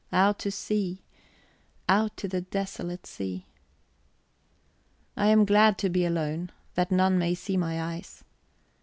out to sea, out to the desolate sea... I am glad to be alone, that none may see my eyes.